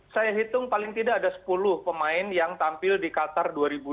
saya hitung paling tidak ada sepuluh pemain yang tampil di qatar dua ribu dua puluh